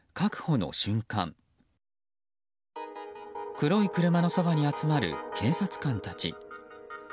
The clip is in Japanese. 黒い車のそばに集まる警察官たち。